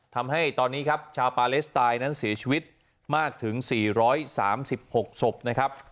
ทำให้ตอนนี้ครับชาวปาเลสไตน์นั้นเสียชีวิตมากถึง๔๓๖ศพนะครับ